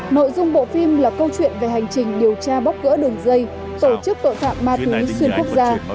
nội dung bộ phim là câu chuyện về hành trình điều tra bóc gỡ đường dây tổ chức tội phạm ma túy xuyên quốc gia